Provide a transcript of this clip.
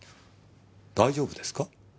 大丈夫ですか？